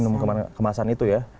minuman kemasan itu ya